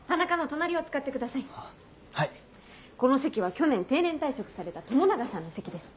この席は去年定年退職された友永さんの席です。